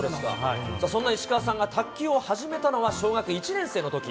そんな石川さんが卓球を始めたのは小学１年生のとき。